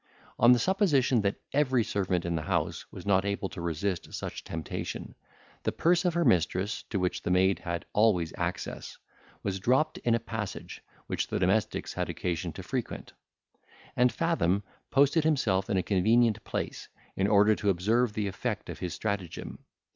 On the supposition that every servant in the house was not able to resist such temptation, the purse of her mistress, to which the maid had always access, was dropped in a passage which the domestics had occasion to frequent; and Fathom posted himself in a convenient place, in order to observe the effect of his stratagem.